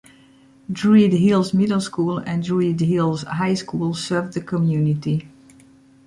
Druid Hills Middle School, and Druid Hills High School serve the community.